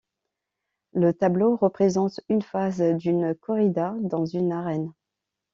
Le tableau représente une phase d'une corrida dans une arène.